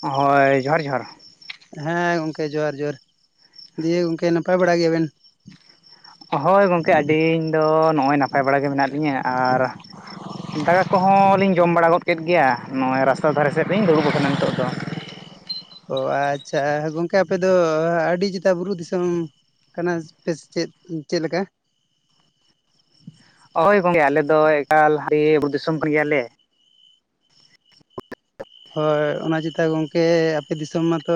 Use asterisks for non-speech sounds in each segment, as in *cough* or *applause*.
ᱦᱳᱭ ᱡᱚᱦᱟᱨ ᱡᱚᱦᱟᱨ ᱦᱮᱸ ᱜᱚᱝᱠᱮ ᱡᱚᱦᱟᱨ ᱡᱚᱦᱟᱨ ᱫᱤᱭᱮ ᱜᱚᱝᱠᱮ ᱱᱟᱯᱟᱭ ᱵᱟᱲᱟ ᱜᱮᱭᱟᱵᱮᱱ ᱦᱳᱭ ᱜᱚᱢᱠᱮ ᱟᱹᱰᱤ ᱟᱹᱧ ᱫᱚ ᱱᱚᱜᱼᱚᱭ ᱱᱟᱯᱟᱭ ᱵᱟᱲᱟᱜᱮ ᱢᱮᱱᱟᱜ ᱞᱤᱧᱟᱹ ᱟᱨ ᱫᱟᱠᱟ ᱠᱚᱦᱚᱸ ᱞᱤᱧ ᱡᱚᱢ ᱵᱟᱲᱟ ᱜᱚᱫ ᱠᱮᱫ ᱜᱮᱭᱟ ᱱᱚᱜᱼᱚᱭ ᱨᱟᱥᱛᱟ ᱫᱷᱟᱨᱮ ᱥᱮᱫ ᱞᱤᱧ ᱫᱩᱲᱩᱵ ᱟᱠᱟᱱᱟ ᱱᱤᱛᱚᱜ ᱫᱚ ᱚ ᱟᱪᱪᱷᱟ ᱜᱚᱝᱠᱮ ᱟᱯᱮ ᱫᱚ ᱟᱹᱰᱤ ᱪᱮᱛᱟ ᱵᱩᱨᱩ ᱫᱤᱥᱚᱢ ᱠᱟᱱᱟ ᱯᱮ ᱪᱮᱫ ᱪᱮᱫ ᱞᱮᱠᱟ ᱦᱳᱭ ᱜᱚᱝᱠᱮ ᱟᱞᱮᱫ ᱫᱚ ᱮᱠᱟᱞ ᱛᱮ ᱵᱩᱨᱩ ᱫᱤᱥᱚᱢ ᱠᱟᱱ ᱜᱮᱭᱟᱞᱮ ᱦᱳᱭ ᱚᱱᱟ ᱪᱮᱛᱟ ᱜᱚᱝᱠᱮ ᱟᱯᱮ ᱫᱤᱥᱚᱢ ᱢᱟᱛᱚ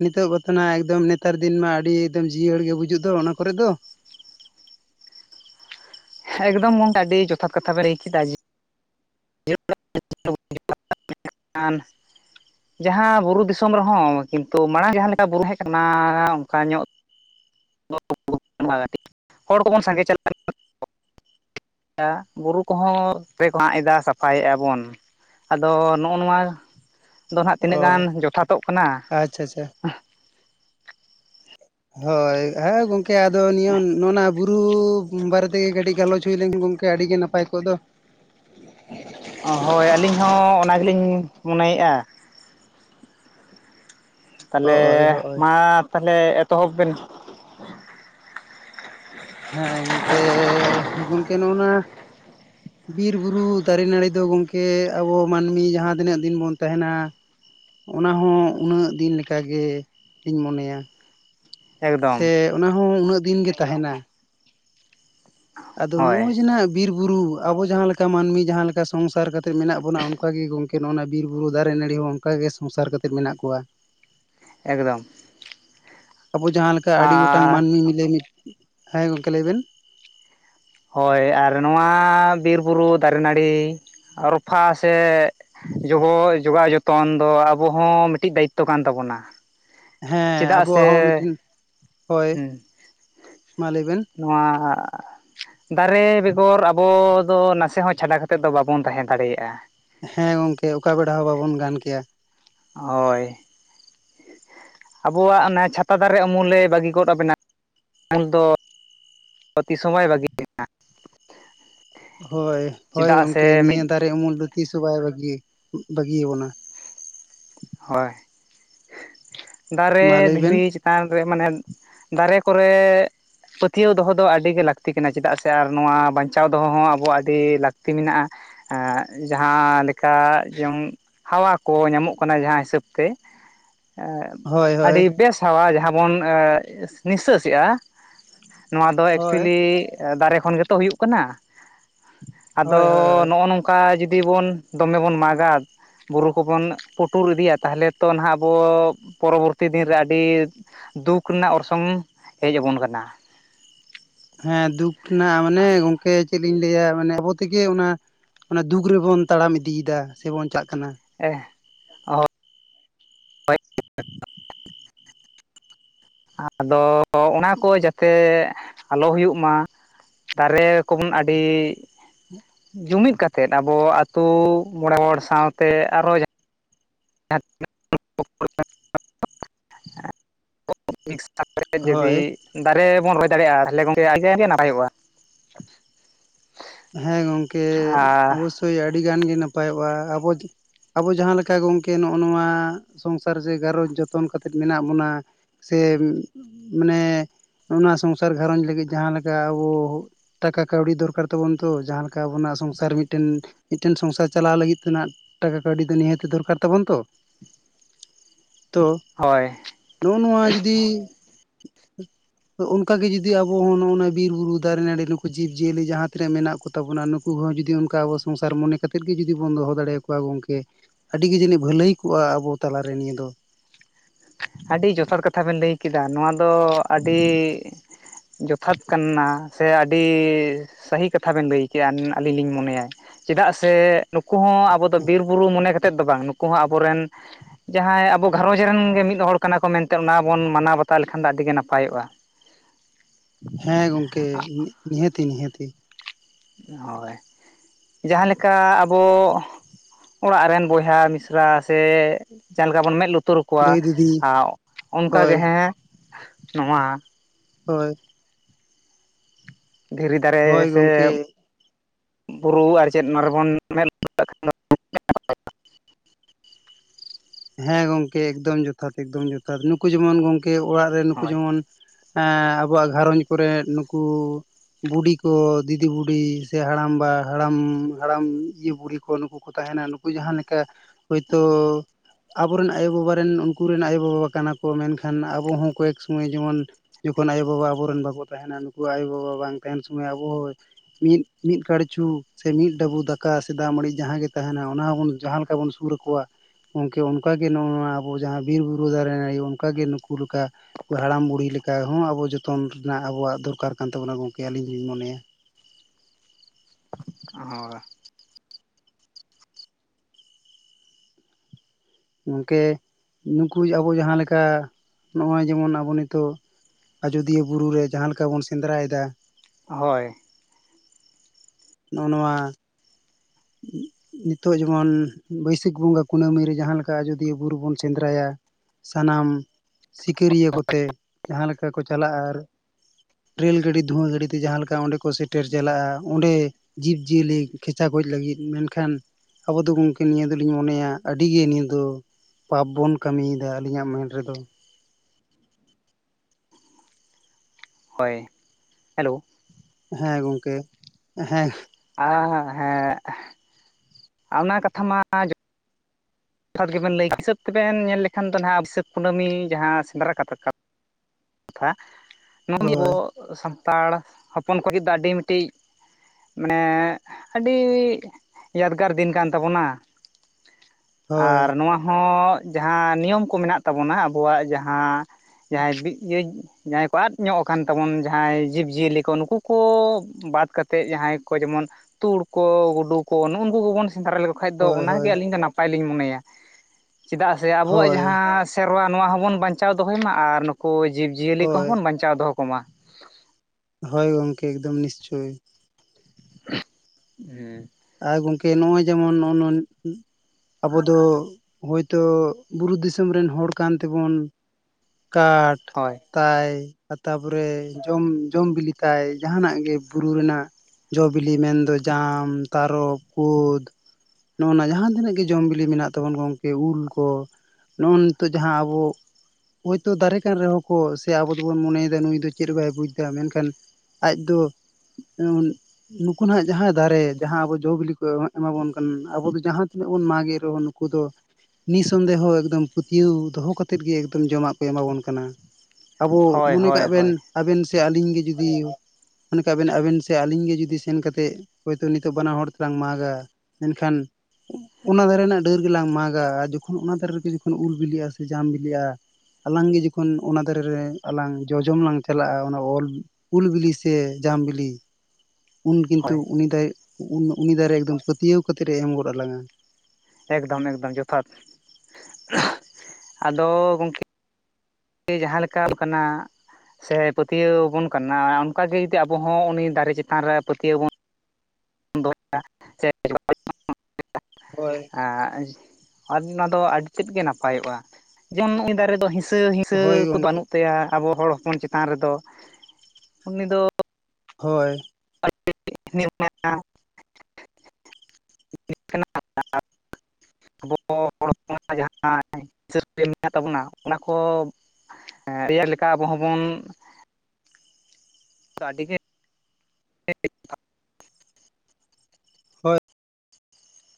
ᱱᱤᱛᱚᱜ ᱵᱟᱛᱱᱟ ᱮᱠᱫᱚᱢ ᱱᱮᱛᱟᱨ ᱫᱤᱱ ᱢᱟ ᱟᱹᱰᱤ ᱮᱫᱚᱢ ᱡᱤᱭᱟᱹᱲ ᱜᱮ ᱵᱩᱡᱩᱜ ᱫᱚ ᱚᱱᱟ ᱠᱚᱨᱮᱫ ᱫᱚ ᱮᱠᱫᱚᱢ ᱜᱚᱝᱠᱮ ᱟᱹᱰᱤ ᱡᱚᱛᱷᱟᱛ ᱠᱟᱛᱷᱟ ᱵᱤᱱ ᱞᱟᱹᱭ ᱠᱮᱫᱟ *unintelligible* *inaudible* ᱡᱟᱦᱟᱸ ᱵᱩᱨᱩ ᱫᱤᱥᱚᱢ ᱨᱮᱦᱚᱸ ᱠᱤᱱᱛᱩ ᱢᱟᱲᱟᱝ ᱡᱟᱦᱟᱸ ᱞᱮᱠᱟ ᱵᱩᱨᱩ ᱦᱮᱡ ᱠᱟᱱᱟ ᱚᱱᱠᱟ ᱧᱚᱜ ᱦᱚᱲ ᱠᱚᱵᱚᱱ ᱥᱟᱸᱜᱮ ᱪᱟᱞᱟᱜ ᱵᱩᱨᱩ ᱠᱚᱦᱚᱸ ᱨᱮᱠᱚ ᱦᱟᱸᱜ ᱮᱫᱟ ᱥᱟᱯᱷᱟᱭᱮᱫᱼᱟ ᱵᱚᱱ ᱟᱫᱚ ᱱᱚᱜ ᱱᱚᱣᱟ ᱫᱚ ᱱᱟᱜ ᱚ ᱛᱤᱱᱟᱹᱜ ᱜᱟᱱ ᱡᱚᱛᱷᱟᱛᱚᱜ ᱠᱟᱱᱟ ᱟᱪᱪᱷᱟ ᱟᱪᱪᱷᱟ ᱦᱳᱭ ᱦᱮᱸ ᱜᱚᱝᱠᱮ ᱟᱫᱚ ᱱᱤᱭᱟᱹ ᱱᱚᱱᱟ ᱵᱩᱨᱩ ᱵᱟᱨᱮ ᱛᱮᱜᱮ ᱠᱟᱹᱴᱤᱡ ᱜᱟᱞᱚᱪ ᱦᱩᱭ ᱞᱮᱱ ᱜᱚᱝᱠᱮ ᱟᱹᱰᱤ ᱜᱮ ᱱᱟᱯᱟᱭ ᱠᱚᱜ ᱫᱚ ᱚ ᱦᱳᱭ ᱟᱹᱞᱤᱧ ᱦᱚᱸ ᱚᱱᱟ ᱜᱮᱞᱤᱧ ᱢᱚᱱᱮᱭᱮᱫᱼᱟ᱾ ᱛᱟᱦᱚᱞᱮ ᱦᱳᱭ ᱦᱳᱭ ᱢᱟ ᱛᱟᱦᱚᱞᱮ ᱮᱛᱚᱦᱚᱵ ᱵᱮᱱ᱾ ᱦᱮᱸ ᱜᱚᱢᱠᱮ ᱜᱚᱢᱠᱮ ᱱᱚᱜᱼᱱᱟ ᱵᱤᱨ ᱵᱩᱨᱩ ᱫᱟᱨᱮ ᱱᱟᱹᱲᱤ ᱫᱚ ᱜᱚᱢᱠᱮ ᱟᱵᱚ ᱢᱟᱹᱱᱢᱤ ᱡᱟᱦᱟᱸ ᱛᱤᱱᱟᱹᱜ ᱫᱤᱱ ᱵᱚᱱ ᱛᱟᱦᱮᱸᱱᱟ, ᱚᱱᱟ ᱦᱚᱸ ᱩᱱᱟᱹᱜ ᱫᱤᱱ ᱞᱮᱠᱟ ᱜᱮ ᱤᱧ ᱢᱚᱱᱮᱭᱟ᱾ ᱮᱠᱫᱚᱢ ᱥᱮ ᱚᱱᱟ ᱦᱚᱸ ᱩᱱᱟᱹᱜ ᱫᱤᱱ ᱜᱮ ᱛᱟᱦᱮᱸᱱᱟ᱾ ᱟᱫᱚ ᱦᱳᱭ ᱱᱚᱜᱼᱚᱭ ᱡᱮ ᱱᱟᱸᱜ ᱵᱤᱨ ᱵᱩᱨᱩ ᱟᱵᱚ ᱡᱟᱦᱟᱸ ᱞᱮᱠᱟ ᱢᱟᱹᱱᱢᱤ ᱡᱟᱦᱟᱸ ᱞᱮᱠᱟ ᱥᱚᱝᱥᱟᱨ ᱠᱟᱛᱮᱫ ᱢᱮᱱᱟᱜ ᱵᱚᱱᱟ, ᱚᱱᱠᱟᱜ ᱜᱮ ᱜᱚᱝᱠᱮ ᱱᱚᱜᱼ ᱵᱤᱨᱵᱩᱨᱩ ᱫᱟᱨᱮ ᱱᱟᱹᱲᱤ ᱦᱚᱸ ᱚᱱᱠᱟᱜᱮ ᱥᱚᱝᱥᱟᱨ ᱠᱟᱛᱮᱫ ᱢᱮᱱᱟᱜ ᱠᱚᱣᱟ᱾ ᱮᱠᱫᱚᱢ᱾ ᱟᱵᱚ ᱡᱟᱦᱟᱸ ᱞᱮᱠᱟ ᱟᱹᱰᱤ ᱜᱚᱴᱟᱝ ᱟᱨ ᱢᱟᱹᱱᱢᱤ ᱢᱤᱞᱮ ᱢᱤᱫ ᱦᱮᱸ ᱜᱚᱢᱠᱮ ᱞᱟᱹᱭᱵᱮᱱ᱾ ᱦᱳᱭ ᱟᱨ ᱱᱚᱣᱟ ᱵᱤᱨ ᱵᱩᱨᱩ ᱫᱟᱨᱮ ᱱᱟᱹᱲᱤ ᱨᱚᱯᱷᱟ ᱥᱮ ᱡᱚᱜᱚ ᱡᱚᱜᱟᱣ ᱡᱚᱛᱚᱱ ᱫᱚ ᱟᱵᱚᱦᱚᱸ ᱢᱤᱫᱴᱤᱡ ᱫᱟᱭᱤᱛᱚ ᱠᱟᱱ ᱛᱟᱵᱚᱱᱟ᱾ ᱦᱮᱸ ᱪᱮᱫᱟᱜ ᱥᱮ ᱟᱵᱚᱣᱟᱜ ᱦᱚᱸ ᱢᱤᱫᱴᱮᱱ ᱦᱳᱭ ᱦᱩᱸ ᱢᱟ ᱞᱟᱹᱭ ᱵᱮᱱ᱾ ᱱᱚᱣᱟ ᱫᱟᱨᱮ ᱵᱮᱜᱚᱨ ᱟᱵᱚᱫ ᱫᱚ ᱱᱟᱥᱮ ᱦᱚᱸ ᱪᱷᱟᱰᱟ ᱠᱟᱛᱮᱫ ᱫᱚ ᱵᱟᱵᱚᱱ ᱛᱟᱦᱮᱸ ᱫᱟᱲᱮᱭᱟᱜ-ᱟ᱾ ᱦᱮᱸ ᱜᱚᱝᱠᱮ ᱚᱠᱟ ᱵᱮᱲᱟ ᱦᱚᱸ ᱵᱟᱵᱚᱱ ᱜᱟᱱ ᱠᱮᱭᱟ᱾ ᱦᱳᱭ ᱟᱵᱚᱣᱟᱜ ᱚᱱᱟ ᱪᱷᱟᱛᱟ ᱫᱟᱨᱮ ᱩᱢᱩᱞ ᱮ ᱵᱟᱹᱜᱤ ᱜᱚᱫ ᱟᱵᱚᱱᱟ᱾ ᱩᱢᱩᱞ ᱫᱚ ᱛᱤ ᱥᱚ ᱵᱟᱭ ᱵᱟᱹᱜᱤᱭᱟ ᱵᱮᱱᱟ᱾ ᱦᱳᱭ ᱦᱳᱭ ᱜᱚᱢᱠᱮ ᱢᱤᱫ ᱱᱤᱭᱟᱹ ᱫᱟᱨᱮ ᱩᱢᱩᱞ ᱫᱚ ᱛᱤᱥᱦᱚᱸ ᱵᱟᱭ ᱵᱷᱟᱹᱜᱤ ᱵᱟᱹᱜᱤᱭᱟ ᱵᱚᱱᱟ᱾ ᱦᱳᱭ ᱫᱟᱨᱮ ᱢᱟ ᱞᱟᱹᱭ ᱵᱮᱱ ᱫᱷᱤᱨᱤ ᱪᱮᱛᱟᱱ ᱨᱮ ᱢᱟᱱᱮ ᱫᱟᱨᱮ ᱠᱚᱨᱮᱜ ᱯᱟᱹᱛᱭᱟᱹᱣ ᱫᱚᱦᱚ ᱫᱚ ᱟᱹᱰᱤᱜᱮ ᱞᱟᱹᱠᱛᱤ ᱠᱟᱱᱟ ᱪᱮᱫᱟᱜ ᱥᱮ ᱟᱨ ᱱᱚᱣᱟ ᱵᱟᱧᱪᱟᱣ ᱫᱚᱦᱚ ᱦᱚᱸ ᱟᱵᱚᱣᱟᱜ ᱟᱹᱰᱤ ᱞᱟᱹᱠᱛᱤ ᱢᱮᱱᱟᱜᱼᱟ᱾ ᱦᱮᱸ ᱡᱟᱦᱟᱸ ᱞᱮ ᱠᱟ ᱡᱮᱢᱚᱱ ᱦᱟᱣᱟ ᱠᱚ ᱧᱟᱢᱚᱜ ᱠᱟᱱᱟ ᱡᱟᱦᱟᱸ ᱦᱤᱥᱟᱹᱵ ᱛᱮ, ᱦᱳᱭ ᱦᱳᱭ ᱟᱹᱰᱤ ᱵᱮᱥ ᱦᱟᱣᱟ ᱡᱟᱦᱟᱸ ᱵᱚᱱ ᱱᱤᱥᱥᱟᱹᱥ ᱮᱜᱼᱟ, ᱱᱚᱣᱟ ᱫᱚ ᱦᱳᱭ ᱮᱠᱪᱩᱭᱮᱞᱤ ᱫᱟᱨᱮ ᱠᱷᱚᱱ ᱜᱮᱛᱚ ᱦᱩᱭᱩᱜ ᱠᱟᱱᱟ, ᱟᱫᱚ ᱦᱳᱭ ᱦᱳᱭ ᱱᱚᱜᱼᱚ ᱱᱚᱝ ᱠᱟ ᱡᱩᱫᱤ ᱵᱚᱱ ᱫᱚᱢᱮ ᱵᱚᱱ ᱢᱟᱜᱟ, ᱵᱩᱨᱩ ᱠᱚᱵᱚᱱ ᱯᱩ ᱴᱩᱨ ᱤᱫᱤᱭᱟ ᱛᱟᱦᱚᱞᱮ ᱛᱚ ᱱᱟᱦᱟᱸᱜ ᱟᱵᱚ ᱯᱚᱨᱚᱵᱚᱨᱛᱤ ᱫᱤᱱᱨᱮ ᱟᱹᱰᱤ ᱫᱩᱠ ᱨᱮᱱᱟᱜ ᱚᱨᱥᱚᱝ ᱦᱮᱡ ᱟᱵᱚᱱ ᱠᱟᱱᱟ᱾ ᱦᱮᱸ ᱫᱩᱠ ᱨᱮᱱᱟᱜ ᱢᱟᱱᱮ ᱜᱚᱝᱠᱮ ᱪᱮᱫ ᱞᱤᱧ ᱞᱟᱹᱭᱟ ᱢᱟᱱᱮ ᱟᱵᱚ ᱛᱮᱜᱮ ᱚᱱᱟ ᱚᱱᱟ ᱫᱩᱠ ᱨᱮᱵᱚᱱ ᱛᱟᱲᱟᱢ ᱤᱫᱤᱭᱫᱟ ᱥᱮᱵᱚᱱ ᱪᱟᱜ ᱠᱟᱱᱟ᱾ ᱮᱸᱜ᱾ ᱟᱫᱚ ᱚᱱᱟ ᱠᱚ ᱡᱟᱛᱮ ᱟᱞᱚ ᱦᱩᱭᱩᱜ ᱢᱟ, ᱫᱟᱨᱮ ᱠᱚᱵᱚᱱ ᱟᱹᱰᱤ ᱡᱩᱢᱤᱫ ᱠᱟᱛᱮᱫ ᱟᱵᱚ ᱟᱛᱩ ᱢᱚᱬᱮ ᱦᱚᱲ ᱥᱟᱶᱛᱮ ᱟᱨᱚ *unintelligible* *unintelligible* ᱡᱩᱫᱤ ᱦᱳᱭ ᱫᱟᱨᱮ ᱵᱚᱱ ᱨᱚᱦᱚᱭ ᱫᱟᱲᱮᱭᱟᱜᱼᱟ ᱛᱟᱦᱚᱞᱮ ᱜᱚᱝᱠᱮ ᱟᱹᱰᱤ ᱜᱮ ᱱᱟᱯᱟᱭᱼᱟ᱾ ᱦᱮᱸ ᱜᱚᱝᱠᱮ ᱟᱨ ᱚᱵᱚᱥᱥᱳᱭ ᱟᱹᱰᱤ ᱜᱟᱱ ᱜᱮ ᱱᱟᱯᱟᱭᱚᱜᱼᱟ, ᱟᱵᱚ ᱡᱟᱦᱟᱸ ᱞᱮᱠᱟ ᱜᱚᱢᱠᱮ ᱱᱚᱜᱼᱱᱚᱣᱟ ᱥᱚᱝᱥᱟᱨ ᱥᱮ ᱜᱷᱟᱨᱚᱸᱡᱽ ᱡᱚᱛᱚᱱ ᱠᱟᱛᱮᱫ ᱢᱮᱱᱟᱜ ᱵᱚᱱᱟ, ᱥᱮ ᱢᱟᱱᱮ ᱚᱱᱟ ᱥᱚᱝᱥᱟᱨ ᱜᱷᱟᱨᱚᱸᱡᱽ ᱞᱟᱹᱜᱤᱫ ᱡᱟᱦᱟᱸᱞᱮᱠᱟ ᱟᱵᱚ ᱴᱟᱠᱟ ᱠᱟᱹᱣᱰᱤ ᱫᱚᱨᱠᱟᱨ, ᱛᱟᱵᱚᱱ ᱛᱚ ᱡᱟᱦᱟᱸ ᱞᱮᱠᱟ ᱟᱵᱚᱱᱟᱜ ᱥᱚᱝᱥᱟᱨ ᱢᱤᱫᱴᱮᱱ ᱢᱤᱫᱴᱮᱱ ᱥᱚᱝᱥᱟᱨ ᱪᱟᱞᱟᱣ ᱞᱟᱹᱜᱤᱫ ᱛᱮᱱᱟᱜ ᱴᱟᱠᱟ ᱠᱟᱹᱣᱰᱤ ᱫᱚ ᱱᱤᱦᱟᱹᱛ ᱫᱚᱨᱠᱟᱨ ᱛᱟᱵᱚᱱ ᱛᱚ, ᱛᱚ ᱦᱳᱭ ᱱᱚᱜᱼᱚ ᱱᱚᱣᱟ ᱡᱩᱫᱤ ᱚᱱᱠᱟ ᱜᱮ ᱡᱩᱫᱤ ᱟᱵᱚ ᱦᱚᱸ ᱱᱚᱜ-ᱚᱭ ᱱᱚᱣᱟ ᱵᱤᱨ ᱵᱩᱨᱩ ᱫᱟᱨᱮ ᱱᱟᱹᱲᱤ ᱱᱩᱠᱩ ᱡᱤᱵᱽ ᱡᱤᱭᱟᱹᱞᱤ ᱡᱟᱦᱟᱸ ᱨᱮ ᱢᱮᱱᱟᱜ ᱠᱚ ᱛᱟᱵᱚᱱᱟ ᱱᱩᱠᱩ ᱦᱚᱸ ᱡᱩᱫᱤ ᱚᱱᱠᱟ ᱟᱵᱚ ᱥᱚᱝᱥᱟᱨ ᱢᱚᱱᱮ ᱠᱟᱛᱮᱜ ᱜᱮ ᱡᱩᱫᱤ ᱵᱚᱱ ᱫᱚᱦᱚ ᱫᱟᱲᱮᱭᱟᱠᱚᱣᱟ ᱜᱚᱝᱠᱮ ᱟᱹᱰᱤ ᱜᱮ ᱡᱟᱹᱱᱤᱡ ᱵᱷᱟᱹᱞᱟᱹᱭ ᱠᱚᱜᱼᱟ ᱟᱵᱚ ᱛᱟᱞᱟᱨᱮ ᱱᱤᱭᱟᱹ ᱫᱚ ᱟᱹᱰᱤ ᱡᱚᱛᱷᱟᱛ ᱠᱟᱛᱷᱟ ᱵᱮᱱ ᱞᱟᱹᱭ ᱠᱮᱫᱟ ᱱᱚᱣᱟ ᱫᱚ ᱟᱹᱰᱤ ᱡᱚᱛᱷᱟᱛ ᱠᱟᱱᱟ ᱥᱮ ᱟᱹᱰᱤ ᱥᱟᱹᱦᱤ ᱠᱟᱛᱷᱟ ᱵᱮᱱ ᱞᱟᱹᱭ ᱠᱮᱜᱼᱟ ᱟᱹᱞᱤᱧ ᱞᱤᱧ ᱢᱚᱱᱮᱭᱟ ᱪᱮᱫᱟᱜ ᱥᱮ ᱱᱩᱠᱩ ᱦᱚᱸ ᱟᱵᱚ ᱫᱚ ᱵᱤᱨ ᱵᱩᱨᱩ ᱢᱚᱱᱮ ᱠᱟᱛᱮᱫ ᱫᱚ ᱵᱟᱝ ᱱᱩᱠᱩ ᱦᱚᱸ ᱟᱵᱚᱨᱮᱱ ᱡᱟᱦᱟᱸᱭ ᱟᱵᱚ ᱜᱷᱟᱨᱚᱸᱡᱽ ᱨᱮᱱ ᱜᱮ ᱢᱤᱫ ᱦᱚᱲ ᱠᱟᱱᱟ ᱠᱚ ᱢᱮᱱᱛᱮ ᱚᱱᱟ ᱵᱚᱱ ᱢᱟᱱᱟᱣ ᱵᱟᱛᱟᱣ ᱞᱮᱠᱷᱟᱱ ᱫᱚ ᱟᱹᱰᱤ ᱜᱮ ᱱᱟᱯᱟᱭᱚᱜᱼᱟ᱾ ᱦᱮᱸ ᱜᱚᱝᱠᱮ ᱱᱤᱦᱟᱹᱛᱤ ᱱᱤᱦᱟᱹᱛᱤ ᱦᱳᱭ ᱡᱟᱦᱟᱸᱞᱮᱠᱟ ᱟᱵᱚ ᱚᱲᱟᱜ ᱨᱮᱱ ᱵᱚᱭᱦᱟ ᱢᱤᱥᱨᱟ ᱥᱮ ᱡᱟᱦᱟᱸ ᱞᱮᱠᱟ ᱵᱚᱱ ᱢᱮᱸᱫ ᱞᱩᱛᱩᱨ ᱠᱚᱣᱟ ᱫᱟᱹᱭ ᱫᱤᱫᱤ ᱟᱨ ᱚᱱᱠᱟᱜᱮ ᱦᱳᱭ ᱦᱮᱸ ᱱᱚᱣᱟ ᱦᱳᱭ ᱫᱷᱤᱨᱤ ᱫᱟᱨᱮ ᱦᱳᱭ ᱥᱮ ᱜᱚᱝᱠᱮ ᱵᱩᱨᱩ ᱟᱨ ᱪᱮᱫ ᱚᱱᱟ ᱨᱮᱵᱚᱱ ᱢᱮᱫ ᱞᱩᱛᱩᱨᱟᱜ ᱠᱷᱟᱱ ᱫᱚ ᱦᱮᱸ ᱜᱚᱝᱠᱮ ᱮᱠᱫᱚᱢ ᱡᱚᱛᱷᱟᱛ ᱮᱠᱫᱚᱢ ᱡᱚᱛᱷᱟᱛ ᱱᱩᱠᱩ ᱡᱮᱢᱚᱱ ᱜᱚᱝᱠᱮ ᱚᱲᱟᱜ ᱨᱮ ᱱᱩᱠᱩ ᱦᱳᱭ ᱡᱮᱢᱚᱱ ᱮᱸ ᱟᱵᱚᱣᱟᱜ ᱜᱷᱟᱨᱚᱸᱡᱽ ᱠᱚᱨᱮ ᱱᱩᱠᱩ ᱵᱩᱰᱷᱤ ᱠᱚ ᱫᱤᱫᱤ ᱵᱩᱰᱷᱤ ᱥᱮ ᱦᱟᱲᱟᱢ ᱵᱟ ᱦᱟᱲᱟᱢ ᱦᱟᱲᱟᱢ ᱤᱭᱟᱹ ᱵᱩᱲᱦᱤ ᱠᱚ ᱱᱩᱠᱩ ᱠᱚ ᱛᱟᱦᱮᱱᱟ ᱱᱩᱠᱩ ᱡᱟᱦᱟᱸ ᱞᱮᱠᱟ ᱦᱳᱭᱛᱳ ᱟᱵᱚᱨᱮᱱ ᱟᱭᱚᱼᱵᱟᱵᱟ ᱨᱮᱱ ᱩᱱᱠᱩ ᱨᱮᱱ ᱟᱭᱚᱼᱵᱟᱵᱟ ᱠᱟᱱᱟ ᱠᱚ ᱢᱮᱱᱠᱷᱟᱱ ᱟᱵᱚ ᱦᱚᱸ ᱠᱚᱭᱮᱠ ᱥᱚᱢᱚᱭ ᱡᱮᱢᱚᱱ ᱡᱚᱠᱷᱚᱱ ᱟᱭᱚᱼᱵᱟᱵᱟ ᱟᱵᱚᱨᱮᱱ ᱵᱟᱠᱚ ᱛᱟᱦᱮᱱᱟ ᱱᱩᱠᱩ ᱟᱭᱚᱼᱵᱟᱵᱟ ᱵᱟᱝ ᱛᱟᱦᱮᱱ ᱥᱚᱢᱚᱭ ᱟᱵᱚ ᱢᱤᱫ ᱢᱤᱫ ᱠᱟᱲᱪᱷᱩ ᱥᱮ ᱢᱤᱫ ᱰᱟᱹᱵᱩ ᱫᱟᱠᱟ ᱥᱮ ᱫᱟᱜ ᱢᱟᱹᱲᱤ ᱡᱟᱦᱟᱸ ᱜᱮ ᱛᱟᱦᱮᱱᱟ ᱚᱱᱟ ᱦᱚᱸ ᱵᱚᱱ ᱡᱟᱦᱟᱸ ᱞᱮᱠᱟ ᱵᱚᱱ ᱥᱩᱨ ᱠᱚᱣᱟ ᱜᱚᱝᱠᱮ ᱚᱱᱠᱟᱜᱮ ᱱᱚᱜᱼᱚ ᱱᱚᱣᱟ ᱟᱵᱚ ᱡᱟᱦᱟᱸ ᱵᱤᱨᱵᱩᱨᱩ ᱫᱟᱨᱮ ᱱᱟᱹᱲᱤ ᱚᱱᱠᱟᱜᱮ ᱱᱩᱠᱩ ᱞᱮᱠᱟ ᱱᱩᱠᱩ ᱦᱟᱲᱟᱢ ᱵᱩᱲᱦᱤ ᱞᱮᱠᱟ ᱦᱚᱸ ᱟᱵᱚ ᱡᱚᱛᱚᱱ ᱨᱮᱱᱟᱜ ᱟᱵᱚᱣᱟᱜ ᱫᱚᱨᱠᱟᱨ ᱠᱟᱱ ᱛᱟᱵᱚᱱᱟ ᱜᱚᱝᱠᱮ ᱟᱹᱞᱤᱧ ᱦᱚᱞᱤᱧ ᱢᱚᱱᱮᱭᱟ᱾ ᱦᱳᱭ ᱜᱚᱝᱠᱮ ᱱᱩᱠᱩ ᱟᱵᱚ ᱡᱟᱦᱟᱸ ᱞᱮᱠᱟ ᱱᱚᱜᱼᱚᱭ ᱡᱮᱢᱚᱱ ᱟᱵᱚ ᱱᱤᱛᱚᱜ ᱟᱡᱚᱫᱤᱭᱟᱹ ᱵᱩᱨᱩ ᱨᱮ ᱡᱟᱦᱟᱸ ᱞᱮᱠᱟ ᱵᱚᱱ ᱥᱮᱸᱫᱽᱨᱟᱭᱮᱫᱟ ᱦᱳᱭ ᱱᱚᱜᱼᱚ ᱱᱚᱣᱟ *inaudible* ᱱᱤᱛᱚᱜ ᱡᱮᱢᱚᱱ ᱵᱟᱹᱭᱥᱟᱹᱠᱷ ᱵᱚᱸᱜᱟ ᱠᱩᱱᱟᱹᱢᱤ ᱨᱮ ᱡᱟᱦᱟᱸ ᱞᱮᱠᱟ ᱟᱡᱚᱫᱤᱭᱟᱹ ᱵᱩᱨᱩ ᱵᱚᱱ ᱥᱮᱸᱫᱽᱨᱟᱭᱟ ᱥᱟᱱᱟᱢ ᱥᱤᱠᱟᱹᱨᱤᱭᱟᱹ ᱠᱚᱛᱮ ᱡᱟᱦᱟᱸ ᱞᱮᱠᱟ ᱠᱚ ᱪᱟᱞᱟᱜ ᱟᱨ ᱨᱮᱹᱞ ᱜᱟᱹᱰᱤ ᱫᱷᱩᱶᱟᱹ ᱜᱟᱹᱰᱤ ᱛᱮ ᱡᱟᱦᱟᱸ ᱞᱮᱠᱟ ᱚᱸᱰᱮ ᱠᱚ ᱥᱮᱴᱮᱨ ᱪᱟᱞᱟᱜᱼᱟ ᱚᱸᱰᱮ ᱡᱤᱵᱽ ᱡᱤᱭᱟᱹᱞᱤ ᱠᱷᱮᱪᱟ ᱜᱚᱡ ᱞᱟᱹᱜᱤᱫ ᱢᱮᱱᱠᱷᱟᱱ ᱟᱵᱚ ᱫᱚ ᱜᱚᱝᱠᱮ ᱱᱤᱭᱟᱹ ᱫᱚᱞᱤᱧ ᱢᱚᱱᱮᱭᱟ ᱟᱹᱰᱤᱜᱮ ᱱᱤᱭᱟᱹ ᱫᱚ ᱯᱟᱯ ᱵᱚᱱ ᱠᱟᱹᱢᱤᱭᱮᱫᱟ ᱟᱹᱞᱤᱧᱟᱜ ᱢᱮᱱ ᱨᱮᱫᱚ ᱦᱳᱭ ᱦᱮᱞᱳ ᱦᱮᱸ ᱜᱚᱝᱠᱮ ᱦᱮᱸ ᱟ ᱦᱮᱸ ᱚᱱᱟ ᱠᱟᱛᱷᱟ ᱢᱟ ᱡᱚ ᱡᱚᱛᱷᱟᱛ ᱜᱮᱵᱮᱱ ᱞᱟᱹᱭ ᱦᱤᱥᱟᱹᱵᱽ ᱛᱮᱵᱮᱱ ᱧᱮᱞ ᱞᱮᱠᱷᱟᱱ ᱫᱚ ᱱᱟᱦᱟᱜ ᱵᱟᱹᱭᱥᱟᱹᱠᱷ ᱠᱩᱱᱟᱹᱢᱤ ᱡᱟᱦᱟᱸ ᱥᱮᱸᱫᱽᱨᱟ ᱠᱟᱛᱷᱟ ᱠᱟ ᱠᱟᱛᱷᱟ ᱱᱚᱜ ᱱᱤᱭᱟᱹ ᱟᱵᱚ ᱦᱳᱭ ᱥᱟᱱᱛᱟᱲ ᱦᱚᱯᱚᱱ ᱠᱚ ᱫᱚ ᱟᱹᱰᱤ ᱢᱤᱫᱴᱤᱡ ᱢᱟᱱᱮ ᱟᱹᱰᱤ ᱭᱟᱫᱜᱟᱨ ᱫᱤᱱ ᱠᱟᱱ ᱛᱟᱵᱚᱱᱟ᱾ *unintelligible* ᱟᱨ ᱱᱚᱣᱟ ᱦᱚᱸ ᱡᱟᱦᱟᱸ ᱱᱤᱭᱚᱢ ᱠᱚ ᱢᱮᱱᱟᱜ ᱛᱟᱵᱚᱱᱟ ᱟᱵᱚᱣᱟᱜ ᱡᱟᱦᱟᱸ ᱡᱟᱦᱟᱸᱭ ᱵᱤᱜ ᱤᱭᱟᱹᱧ ᱡᱟᱦᱟᱸᱭ ᱠᱚ ᱟᱫ ᱧᱚᱜ ᱟᱠᱟᱱ ᱛᱟᱵᱚᱱ ᱡᱟᱦᱟᱸᱭ ᱡᱤᱵᱽᱡᱤᱭᱟᱹᱞᱤ ᱠᱚ ᱱᱩᱠᱩ ᱠᱚ ᱵᱟᱫ ᱠᱟᱛᱮᱫ ᱡᱟᱦᱟᱸᱭ ᱠᱚ ᱡᱮᱢᱚᱱ, ᱛᱩᱲ ᱠᱚ ᱜᱩᱰᱩ ᱠᱚ ᱱᱩᱜᱩ ᱩᱱᱠᱩ ᱠᱚᱵᱚᱱ ᱥᱮᱸᱫᱽᱨᱟ ᱞᱮᱠᱚ, ᱠᱷᱟᱡ ᱫᱚ ᱦᱳᱭ ᱚᱱᱟᱜᱮ ᱦᱳᱭ ᱟᱹᱞᱤᱧ ᱫᱚ ᱱᱟᱯᱟᱭ ᱞᱤᱧ ᱢᱚᱱᱮᱭᱟ ᱪᱮᱫᱟᱜ ᱥᱮ ᱟᱵᱚᱣᱟᱜ ᱦᱳᱭ ᱡᱟᱦᱟᱸ ᱥᱮᱨᱣᱟ ᱱᱚᱣᱟ ᱦᱚᱸᱵᱚᱱ ᱵᱟᱧᱪᱟᱣ ᱫᱚᱦᱚᱭ ᱢᱟ ᱟᱨ ᱱᱩᱠᱩ ᱡᱤᱵᱽᱼᱡᱤᱭᱟᱹᱞᱤ ᱠᱚᱦᱚᱸ ᱦᱳᱭ ᱵᱚᱱ ᱵᱟᱧᱪᱟᱣ ᱫᱚᱦᱚ ᱠᱚᱢᱟ, ᱦᱚᱭ ᱜᱚᱢᱠᱮ ᱮᱠᱫᱚᱢ ᱱᱤᱥᱪᱚᱭ, ᱦᱩ, ᱟᱨ ᱜᱚᱝᱠᱮ ᱱᱚᱜᱼᱚᱭ ᱡᱮᱢᱚᱱ ᱱᱚ *inaudible* ᱟᱵᱚ ᱫᱚ ᱦᱚᱭᱛᱚ ᱵᱩᱨᱩ ᱫᱤᱥᱚᱢ ᱨᱮᱱ ᱦᱚᱲ ᱠᱟᱱ ᱛᱮᱵᱚᱱ, ᱠᱟᱜ ᱦᱳᱭ ᱛᱟᱭ ᱛᱟᱯᱚᱨᱮ ᱡᱚᱢ ᱡᱚᱢ ᱵᱤᱞᱤ ᱛᱟᱭ ᱡᱟᱦᱟᱱᱟᱜ ᱜᱮ ᱵᱩᱨᱩ ᱨᱮᱱᱟᱜ, ᱡᱚᱼ ᱵᱤᱞᱤ ᱢᱮᱱᱫᱚ ᱡᱟᱢ ᱛᱟᱨᱚᱵ ᱠᱩᱫᱽ, ᱱᱚᱜᱼᱚ ᱱᱟ ᱡᱟᱦᱟᱸ ᱛᱤᱱᱟᱹᱜ ᱜᱮ ᱡᱚᱢ ᱵᱤᱞᱤ ᱢᱮᱱᱟᱜ ᱛᱟᱵᱚᱱ ᱜᱚᱝᱠᱮ ᱩᱞ ᱠᱚ, ᱱᱚᱜᱼᱚ ᱱᱤᱛᱳᱜ ᱡᱟᱦᱟᱸ ᱟᱵᱚ, ᱦᱳᱭᱛᱚ ᱫᱟᱨᱮ ᱠᱟᱱ ᱨᱮᱦᱚᱸ ᱠᱚ ᱥᱮ ᱟᱵᱚ ᱫᱚᱵᱚᱱ ᱢᱚᱱᱮᱭᱮᱫᱟ ᱱᱩᱭ ᱫᱚ ᱪᱮᱫ ᱵᱟᱭ ᱵᱩᱡ ᱫᱟ ᱢᱮᱱᱠᱷᱟᱱ, ᱟᱡ ᱫᱚ ᱱᱩ ᱱᱩᱠᱩ ᱱᱟᱜ ᱡᱟᱦᱟᱸ ᱫᱟᱨᱮ ᱡᱟᱦᱟᱸ ᱟᱵᱚ ᱡᱚᱼ ᱵᱤᱞᱤ ᱠᱚ ᱮᱢᱟᱵᱚᱱ ᱠᱟᱱ ᱟᱵᱚ ᱫᱚ ᱡᱟᱦᱟᱸ ᱛᱤᱱᱟᱹᱜ ᱵᱚᱱ ᱢᱟᱜ ᱮ ᱨᱮᱦᱚᱸ ᱱᱩᱠᱩ ᱫᱚ, ᱱᱤ ᱥᱚᱱᱫᱟᱷᱮᱦᱚᱸ ᱮᱠᱫᱚᱢ ᱯᱟᱹᱛᱭᱟᱹᱣ ᱫᱚᱦᱚ ᱠᱟᱛᱮᱫ ᱜᱮ ᱮᱠᱫᱚᱢ ᱡᱚᱢᱟᱜ ᱠᱚ ᱮᱢᱟᱵᱚᱱ ᱠᱟᱱᱟ, ᱟᱵᱚ ᱦᱳᱭ ᱢᱚᱱᱮ ᱦᱳᱭ ᱠᱟᱜ ᱵᱮᱱ, ᱦᱳᱭ ᱟᱵᱮᱱ ᱥᱮ ᱟᱹᱞᱤᱧ ᱜᱮ ᱡᱩᱫᱤ ᱢᱚᱱᱮ ᱠᱟᱜ ᱵᱮᱱ ᱟᱵᱮᱱ ᱥᱮ ᱟᱹᱞᱤᱧ ᱜᱮ ᱡᱩᱫᱤ ᱥᱮᱱ ᱠᱟᱛᱮᱫ, ᱦᱳᱭᱛᱳ ᱱᱤᱛᱚᱜ ᱵᱟᱱᱟ ᱦᱚᱲ ᱛᱮᱞᱟᱝ ᱢᱟᱜᱽᱟ ᱢᱮᱱᱠᱷᱟᱱ, ᱚᱱᱟ ᱫᱷᱟᱨᱮ ᱱᱟᱜ ᱰᱟᱹᱨ ᱜᱮᱞᱟᱝ ᱢᱟᱜᱽᱟ ᱟᱨ ᱡᱚᱠᱷᱚᱱ ᱚᱱᱟ ᱫᱟᱨᱮ ᱨᱮᱜᱮ ᱡᱚᱠᱷᱚᱱ ᱩᱞ ᱵᱤᱞᱤᱜᱼᱟ ᱥᱮ ᱡᱟᱢ ᱵᱤᱞᱤᱜᱼᱟ, ᱟᱞᱟᱝ ᱜᱮ ᱡᱚᱠᱷᱚᱱ ᱚᱱᱟ ᱫᱟᱨᱮ ᱨᱮ ᱟᱞᱟᱝ ᱡᱚᱡᱚᱢ ᱞᱟᱝ ᱪᱟᱞᱟᱜᱼᱟ ᱚᱱᱟ ᱚᱞ, ᱩᱞ ᱵᱤᱞᱤ ᱥᱮ ᱡᱟᱢ ᱵᱤᱞᱤ, ᱩᱱ ᱠᱤᱱᱛᱩ ᱦᱳᱭ ᱩᱱᱤ ᱫᱟᱭ ᱩᱱ-ᱩᱱᱤ ᱫᱟᱨᱮ ᱮᱠᱫᱚᱢ ᱯᱟᱹᱛᱭᱟᱹᱣ ᱠᱟᱛᱮᱫ ᱮ ᱮᱢ ᱜᱚᱫ ᱟᱞᱟᱝ-ᱟ, ᱮᱠᱫᱚᱢ ᱮᱠᱫᱚᱢ ᱡᱚᱛᱷᱟᱛ ᱟᱫᱚ ᱜᱚᱝᱠᱮ, ᱥᱮ ᱡᱟᱦᱟᱸ ᱞᱮᱠᱟ ᱠᱟᱱᱟ, ᱥᱮ ᱯᱟᱹᱛᱭᱟᱹᱣ ᱵᱚᱱ ᱠᱟᱱᱟ ᱚᱱᱠᱟ ᱜᱮ ᱡᱩᱫᱤ ᱟᱵᱚᱸ ᱦᱚᱸ ᱩᱱᱤ ᱫᱟᱨᱮ ᱪᱮᱛᱟᱱ ᱨᱮ ᱯᱟᱹᱛᱭᱟᱹᱣ ᱵᱚᱱ, ᱫᱚᱦᱚ ᱥᱮ *inaudible* ᱦᱳᱭ ᱟᱨ ᱱᱚᱭᱟ ᱫᱚ ᱟᱹᱰᱤ ᱛᱮᱫ ᱜᱮ ᱱᱟᱯᱟᱭᱚᱜᱼᱟ ᱡᱮᱢᱚᱱ ᱩᱱᱤ ᱫᱟᱨᱮ ᱫᱚ ᱦᱤᱥᱟᱹ ᱦᱤ- ᱥᱟᱹ ᱦᱳᱭ ᱠᱚ ᱜᱚᱢᱠᱮ ᱵᱟᱹᱱᱩᱜ ᱛᱟᱭᱟ ᱟᱵᱚ ᱦᱚᱲ ᱦᱚᱯᱚᱱ ᱪᱮᱛᱟᱱ ᱨᱮᱫᱚ ᱩᱱᱤ ᱫᱚ, ᱦᱳᱭ *inaudible* *inaudible* ᱟᱵᱚ ᱦᱚᱲ ᱦᱚᱯᱚᱱᱧᱜ ᱡᱟᱦᱟᱸ *inaudible* ᱢᱮᱱᱟᱜ ᱛᱟᱵᱚᱱᱟ ᱚᱱᱟ ᱠᱚ ᱛᱮᱭᱟᱨ ᱞᱮᱠᱟ ᱟᱵᱚ ᱦᱚᱸᱵᱚᱱ, ᱟᱹᱰᱤ ᱜᱮ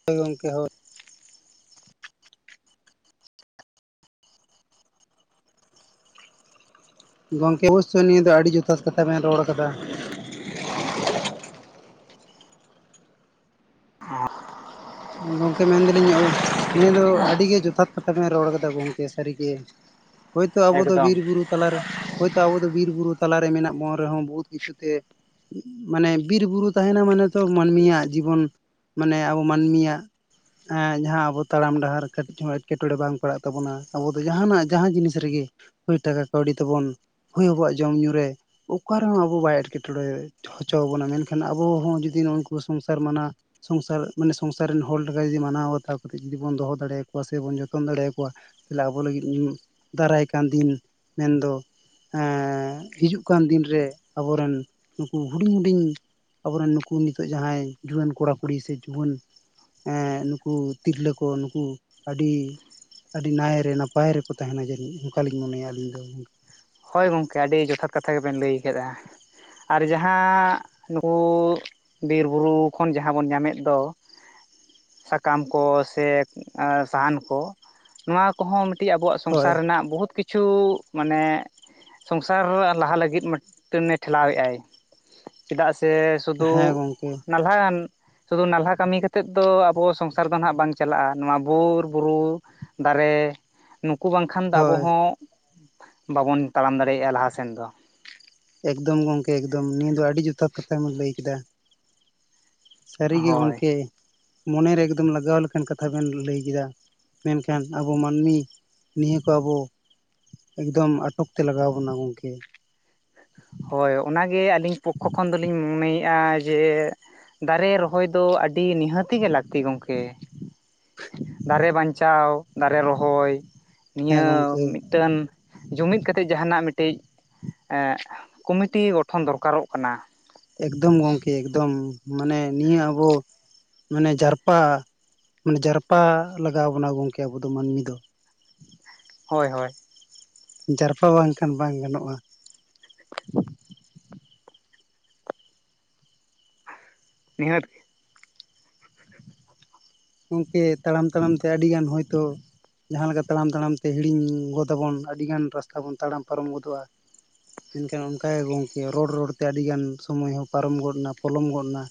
ᱦᱳᱭ ᱜᱚᱢᱠᱮ ᱦᱳᱭ, ᱜᱚᱝᱠᱮ ᱚᱵᱚᱥᱥᱚᱤ ᱱᱤᱭᱟᱹ ᱫᱚ ᱟᱹᱰᱤ ᱡᱚᱛᱷᱟᱛ ᱠᱟᱛᱷᱟ ᱵᱮᱱ ᱨᱚᱲ ᱠᱟᱫᱟ, ᱚᱸ ᱜᱚᱝᱠᱮ ᱢᱮᱱᱫᱟᱞᱤᱧ ᱱᱤᱭᱟᱹ ᱫᱚ ᱟᱹᱰᱤ ᱜᱮ ᱡᱚᱛᱷᱟᱛ ᱠᱟᱛᱷᱟ ᱵᱮᱱ ᱨᱚᱲ ᱠᱟᱫᱟ ᱜᱚᱝᱠᱮ ᱥᱟᱹᱨᱤᱜᱮ, ᱦᱳᱭᱛᱳ ᱟᱵᱚ ᱫᱚ ᱮᱠᱫᱚᱢ ᱵᱤᱨ ᱵᱩᱨᱩ, ᱛᱟᱞᱟᱨᱮ ᱦᱚᱳᱭᱛᱳ ᱟᱵᱚ ᱫᱚ ᱵᱤᱨᱼᱵᱩᱨᱩ ᱛᱟᱞᱟᱨᱮ ᱢᱮᱱᱟᱜ ᱵᱚᱱᱟ ᱨᱮᱦᱚᱸ ᱵᱚᱦᱩᱛ ᱠᱤᱪᱷᱩ ᱛᱮ, ᱢᱟᱱᱮ ᱵᱤᱨ ᱵᱩᱨᱩ ᱛᱟᱦᱮᱱᱟ ᱢᱟᱱᱮ ᱛᱚ ᱢᱟᱹᱱᱢᱤᱭᱟᱜ ᱡᱤᱵᱚᱱ ᱢᱟᱱᱮ ᱟᱵᱚ ᱢᱟᱹᱱᱢᱤᱭᱟᱜ *inaudible* ᱮᱸᱜ ᱡᱟᱦᱟᱸ ᱟᱵᱚ ᱛᱟᱲᱟᱢ ᱰᱟᱦᱟᱨ ᱠᱟᱹᱴᱤᱡ ᱦᱚᱸ ᱮᱴᱠᱮᱴᱚᱬᱮ ᱵᱟᱝ ᱯᱟᱲᱟᱜ ᱛᱟᱵᱚᱱᱟ ᱟᱵᱚ ᱫᱤᱚ ᱡᱟᱦᱟᱸᱱᱟᱜ ᱡᱟᱦᱟᱸ ᱡᱤᱱᱤᱥ ᱨᱮᱜᱮ, ᱦᱳᱭ ᱴᱟᱠᱟ ᱠᱟᱹᱣᱰᱤ ᱛᱮᱵᱚᱱ ᱦᱳᱭ ᱟᱵᱚᱣᱟᱜ ᱡᱚᱢ ᱧᱩ ᱨᱮ, ᱚᱠᱟ ᱨᱮᱦᱚᱸ ᱟᱵᱚ ᱵᱟᱭ ᱮᱴᱠᱮᱴᱚᱬᱮ ᱦᱚᱪᱚ ᱵᱚᱱᱟ ᱢᱮᱱᱠᱷᱟᱱ ᱟᱵᱚ ᱦᱚᱸ ᱡᱩᱫᱤ ᱱᱩᱝᱠᱩ ᱥᱚᱝᱥᱟᱨ ᱢᱟᱱᱟ, ᱥᱚᱝᱥᱟᱨ ᱢᱟᱱᱮ ᱥᱚᱝᱥᱟᱨ ᱨᱮᱱ ᱦᱚᱲ ᱞᱮᱠᱟ ᱡᱩᱫᱤ ᱢᱟᱱᱟᱣ ᱵᱟᱛᱟᱣ ᱠᱟᱛᱮᱫ ᱡᱩᱫᱤ ᱵᱚᱱ ᱫᱚᱦᱚ ᱫᱟᱲᱮᱭᱟᱠᱚᱣᱟ ᱥᱮ ᱵᱚᱱ ᱡᱚᱛᱚᱱ ᱫᱟᱲᱮ ᱭᱟᱠᱚᱣᱟ, ᱛᱟᱦᱞᱮ ᱟᱵᱚ ᱞᱟᱹᱜᱤᱫ ᱫᱟᱨᱟᱭ ᱠᱟᱱ ᱫᱤᱱ ᱢᱮᱱᱫᱚ, ᱮᱸ ᱦᱤᱡᱩᱜ ᱠᱟᱱ ᱫᱤᱱ ᱨᱮ ᱟᱵᱚᱨᱮᱱ ᱱᱩᱠᱩ ᱦᱩᱰᱤᱧ ᱦᱩᱰᱤᱧ, ᱟᱵᱚᱨᱮᱱ ᱱᱩᱠᱩ ᱱᱤᱛᱚᱜ ᱡᱟᱦᱟᱸᱭ ᱡᱩᱣᱟᱹᱱ ᱠᱚᱲᱟ ᱠᱩᱲᱤ ᱥᱮ ᱡᱩᱣᱟᱹᱱ, ᱮᱸ ᱱᱩᱠᱩ ᱛᱤᱨᱞᱟᱹ ᱠᱚ ᱱᱩᱠᱩ ᱟᱹᱰᱤ, ᱟᱹᱰᱤ ᱱᱟᱭ ᱨᱮ ᱱᱟᱯᱟᱭ ᱨᱮᱠᱚ ᱛᱟᱦᱮᱱᱟ ᱡᱟᱹᱱᱤᱡ ᱚᱱᱠᱟᱞᱤᱧ ᱢᱚᱱᱮᱭᱟ ᱟᱹᱞᱤᱧ ᱫᱚ ᱦᱳᱭ ᱜᱚᱝᱠᱮ ᱟᱹᱰᱤ ᱡᱚᱛᱷᱟᱛ ᱠᱟᱛᱷᱟ ᱜᱮ ᱵᱮᱱ ᱞᱟᱹᱭ ᱠᱟᱫᱟ ᱟᱨ ᱡᱟᱦᱟᱸ ᱱᱩᱠᱩ, ᱵᱤᱨ ᱵᱩᱨᱩ ᱠᱷᱚᱱ ᱡᱟᱦᱟᱸ ᱵᱚᱱ ᱧᱟᱢᱮᱫ ᱫᱚ, ᱥᱟᱠᱟᱢ ᱠᱚ ᱥᱮ ᱥᱟᱦᱟᱱ ᱠᱚ, ᱱᱚᱣᱟ ᱠᱚᱦᱚᱸ ᱢᱤᱫᱴᱤᱡ ᱟᱵᱚᱣᱟᱜ ᱦᱳᱭ ᱥᱚᱝᱥᱟᱨ ᱨᱮᱱᱟᱜ ᱵᱚᱦᱩᱛ ᱠᱤᱪᱷᱩ ᱢᱟᱱᱮ, ᱥᱚᱝᱥᱟᱨ ᱞᱟᱦᱟ ᱞᱟᱹᱜᱤᱫ ᱢᱤᱫᱴᱮᱱᱮ ᱴᱷᱮᱞᱟᱣᱮᱫᱟᱭ ᱪᱮᱫᱟᱜ ᱥᱮ, ᱥᱩᱫᱩ ᱦᱮᱸ ᱜᱚᱝᱠᱮ ᱱᱟᱞᱦᱟᱱ, ᱥᱩᱫᱩ ᱱᱟᱞᱦᱟ ᱠᱟᱹᱢᱤ ᱠᱟᱛᱮᱫ ᱫᱚ ᱟᱵᱚ ᱥᱚᱝᱥᱟᱨ ᱫᱚ ᱱᱟᱦᱟᱜ ᱵᱟᱝ ᱪᱟᱞᱟᱜᱼᱟ ᱱᱚᱣᱟ ᱵᱤᱨ ᱵᱩᱨᱩ, ᱫᱟᱨᱮ ᱱᱩᱠᱩ ᱵᱟᱝᱠᱷᱟᱱ ᱫᱚ ᱟᱵᱚ ᱦᱳᱭ ᱦᱚᱸ ᱵᱟᱵᱚᱱ ᱛᱟᱲᱟᱢ ᱫᱟᱲᱮᱭᱟᱜᱼᱟ ᱞᱟᱦᱟᱥᱮᱱ ᱫᱚ, ᱮᱠᱫᱚᱢ ᱜᱚᱢᱠᱮ ᱮᱠᱫᱚᱢ ᱱᱤᱭᱟᱹ ᱫᱚ ᱟᱹᱰᱤ ᱡᱚᱛᱷᱟᱛ ᱠᱟᱛᱷᱟᱢ ᱵᱤᱱ ᱞᱟᱹᱭ ᱠᱮᱫᱟ, ᱥᱟᱹᱨᱤᱜᱮ ᱦᱳᱭ ᱜᱚᱝᱠᱮ ᱢᱚᱱᱮᱨᱮ ᱮᱠᱫᱚᱢ ᱞᱟᱜᱟᱣ ᱞᱮᱠᱟᱱ ᱠᱟᱛᱷᱟ ᱵᱮᱱ ᱞᱟᱹᱭ ᱠᱮᱫᱟ, ᱢᱮᱱᱠᱷᱟᱱ ᱟᱵᱚ ᱢᱟᱹᱱᱢᱤ ᱱᱤᱭᱟᱹ ᱠᱚ ᱟᱵᱚ, ᱮᱠᱫᱚᱢ ᱟᱴᱚᱠ ᱛᱮ ᱞᱟᱜᱟᱣ ᱵᱚᱱᱟ ᱜᱚᱝᱠᱮ, ᱦᱳᱭ ᱚᱱᱟᱜᱮ ᱟᱹᱞᱤᱧ ᱯᱚᱠᱷᱚ ᱠᱷᱚᱱ ᱫᱚᱞᱤᱧ ᱢᱚᱱᱮᱭᱮᱫᱼᱟ ᱡᱮ, ᱫᱟᱨᱮ ᱨᱚᱦᱚᱭ ᱫᱚ ᱟᱹᱰᱤ ᱱᱤᱦᱟᱹᱛᱤ ᱜᱮ ᱞᱟᱹᱠᱛᱤ ᱜᱚᱢᱠᱮ, ᱫᱟᱨᱮ ᱵᱟᱧᱪᱟᱣ ᱫᱟᱨᱮ ᱨᱚᱦᱚᱭ ᱦᱮᱸ ᱱᱤᱭᱟᱹ, ᱜᱚᱝᱠᱮ ᱴᱟᱹᱱ ᱡᱩᱢᱤᱫ ᱠᱟᱛᱮᱜ ᱡᱟᱦᱟᱱᱟᱜ ᱢᱤᱴᱤᱡ ᱮᱸᱻ ᱠᱚᱢᱤᱴᱤ ᱜᱚᱴᱷᱚᱱ ᱫᱚᱨᱠᱟᱨᱚᱜ ᱠᱟᱱᱟ, ᱮᱠᱫᱚᱢ ᱜᱚᱝᱠᱮ ᱮᱠᱫᱚᱢ ᱢᱟᱱᱮ ᱱᱤᱭᱟᱹ ᱟᱵᱚ ᱢᱟᱱᱮ ᱡᱟᱨᱯᱟ ᱢᱟᱱᱮ ᱡᱟᱨᱯᱟ ᱞᱟᱜᱟᱣ ᱵᱚᱱᱟ ᱜᱚᱝᱠᱮ ᱟᱵᱚ ᱫᱚ ᱢᱟᱹᱱᱢᱤ ᱫᱚ, ᱦᱳᱭ ᱦᱳᱭ, ᱡᱟᱨᱯᱟ ᱵᱟᱝᱠᱷᱟᱱ ᱵᱟᱝ ᱜᱟᱱᱚᱜᱼᱟ, *unintelligible* ᱱᱤᱦᱟᱹᱛ ᱜᱮ ᱜᱚᱢᱠᱮ ᱛᱟᱲᱟᱢ ᱛᱟᱲᱟᱢ ᱛᱮ ᱟᱹᱰᱤᱜᱟᱱ ᱦᱚᱳᱭᱛᱳ, ᱡᱟᱦᱟᱸ ᱞᱮᱠᱟ ᱛᱟᱲᱟᱢ ᱛᱟᱲᱟᱢ ᱛᱮ ᱦᱤᱲᱤᱧ ᱜᱚᱫᱟᱵᱚᱱ ᱟᱹᱰᱤ ᱜᱟᱱ ᱨᱟᱥᱛᱟ ᱵᱚᱱ ᱛᱟᱲᱟᱢ ᱯᱟᱨᱚᱢ ᱜᱚᱫᱚᱜᱼᱟ, ᱢᱮᱱᱠᱷᱟᱱ ᱚᱱᱠᱟ ᱜᱮ ᱜᱚᱝᱠᱮ ᱨᱚᱲ ᱨᱚᱲᱛᱮ ᱟᱹᱰᱤᱜᱟᱱ ᱥᱚᱢᱚᱭ ᱦᱚᱸ ᱯᱟᱨᱚᱢ ᱜᱚᱫᱱᱟ ᱯᱚᱞᱚᱢ ᱜᱚᱫᱱᱟ,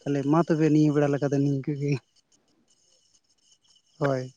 ᱛᱟᱦᱚᱞᱮ ᱢᱟ ᱛᱚᱵᱮ ᱱᱤᱭᱟᱹ ᱵᱮᱲᱟ ᱞᱮᱠᱟᱫᱚ ᱱᱤᱝᱠᱟᱹ ᱜᱮ ᱦᱳᱭ,